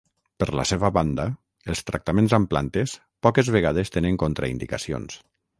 Per la seva banda, els tractaments amb plantes, poques vegades tenen contraindicacions.